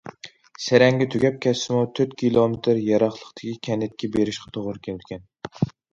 سەرەڭگە تۈگەپ كەتسىمۇ تۆت كىلومېتىر يىراقلىقتىكى كەنتكە بېرىشقا توغرا كېلىدىكەن.